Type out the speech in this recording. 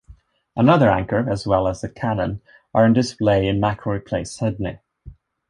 Another anchor, as well as a cannon, are on display in Macquarie Place, Sydney.